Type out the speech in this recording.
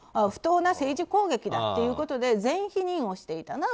不当な政治攻撃だということで全否定をしていた。